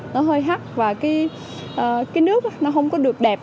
nó hơi hấp và cái nước nó không có được đẹp